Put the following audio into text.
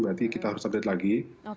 berarti kita harus update lagi